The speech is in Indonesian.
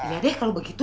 iya deh kalau begitu